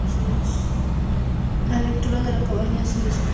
La estructura de la cabaña se cubría con largas piezas de corteza.